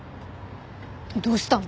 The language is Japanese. どうしたの？